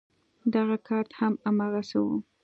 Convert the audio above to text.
دغه کارت هم هماغسې و.